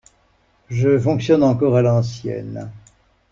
Je fonctionne encore à l’ancienne.